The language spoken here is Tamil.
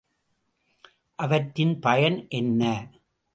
அவற்றின் பயன் என்ன?